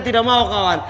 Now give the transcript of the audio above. tidak mau kawan